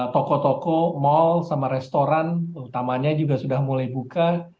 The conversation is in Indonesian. toko toko mal sama restoran utamanya juga sudah mulai buka